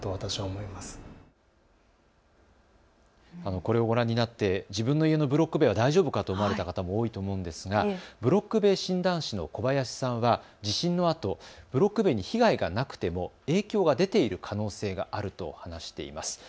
これをご覧になって自分の家のブロック塀は大丈夫かと思われた方も多いと思うんですがブロック塀診断士の小林さんは地震のあとブロック塀に被害がなくても影響が出ている可能性があると話しています。